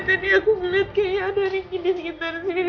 tadi aku ngeliat kayaknya ada riki di sekitar sini